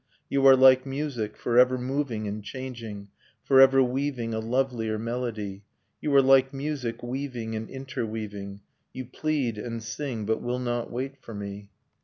You are like music, forever moving and changing, Forever weaving a lovelier melody ... You are like music, weaving and interweaving; You plead and sing, but will not wait for me.